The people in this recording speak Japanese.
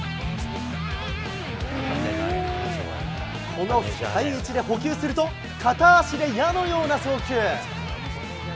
この深い位置で捕球すると、片足で矢のような送球。